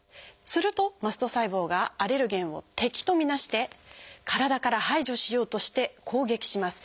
するとマスト細胞がアレルゲンを敵と見なして体から排除しようとして攻撃します。